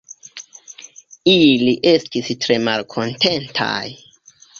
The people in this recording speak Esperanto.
Ili estis tre malkontentaj.